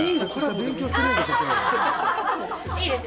いいですよ。